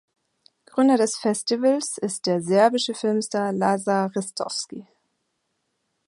Gründer des Festivals ist deer Serbische Filmstar Lazar Ristovski.